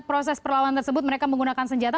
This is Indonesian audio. proses perlawanan tersebut mereka menggunakan senjata